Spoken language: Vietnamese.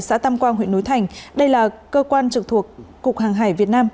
xã tam quang huyện núi thành đây là cơ quan trực thuộc cục hàng hải việt nam